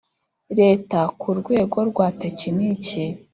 Leta ku rwego rwa tekiniki